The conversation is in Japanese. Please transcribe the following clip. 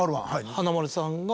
華丸さんが。